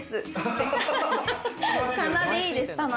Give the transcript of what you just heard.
棚でいいです。